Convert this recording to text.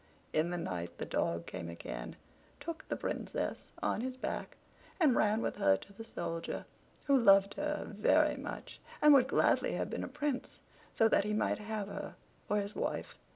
In the night the dog came again, took the Princess on his back, and ran with her to the Soldier, who loved her very much, and would gladly have been a prince, so that he might have her for his wife.